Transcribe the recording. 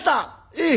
ええ。